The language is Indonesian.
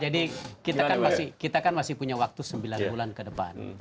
jadi kita kan masih punya waktu sembilan bulan ke depan